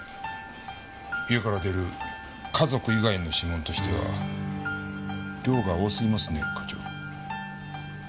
家から出る家族以外の指紋としては量が多すぎますね課長。